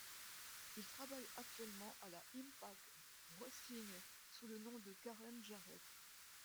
Il travaille actuellement à la Impact Wrestling sous le nom de Karen Jarrett.